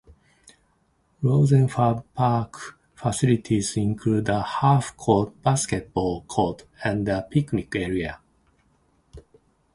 Rosenfarb Park facilities include a half-court basketball court and a picnic area.